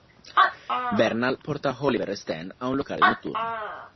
Bernal porta Oliver e Stan a un locale notturno.